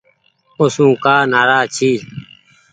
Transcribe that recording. اوسون ڪآ نآراز جي ۔